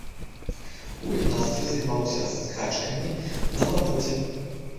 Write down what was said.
У юнацтве займаўся скачкамі на батуце.